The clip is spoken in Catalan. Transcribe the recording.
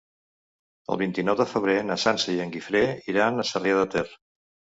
El vint-i-nou de febrer na Sança i en Guifré iran a Sarrià de Ter.